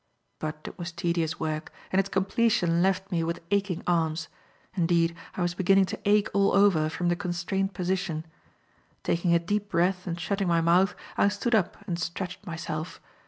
But it was tedious work, and its completion left me with aching arms; indeed, I was beginning to ache all over from the constrained position. Taking a deep breath and shutting my mouth, I stood up and stretched myself.